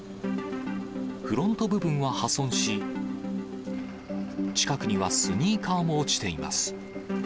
フロント部分は破損し、近くにはスニーカーも落ちています。